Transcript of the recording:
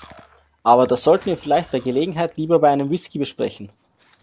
Aber das sollten wir vielleicht bei Gelegenheit lieber bei einem Whisky besprechen!